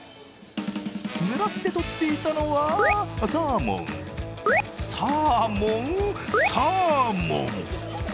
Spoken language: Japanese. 狙って取っていたのはサーモン、サーモン、サーモン！